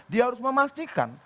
dia harus memastikan